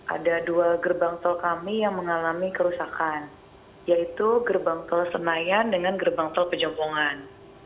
ada dua gerbang tol kami yang mengalami kerusakan yaitu gerbang tol senayan dengan gerbang tol pejompongan